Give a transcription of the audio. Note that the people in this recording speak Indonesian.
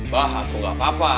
bah itu gak apa apa